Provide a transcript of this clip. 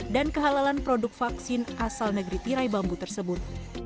dan kehalalan produk vaksin asal negeri tirai bambu tersebut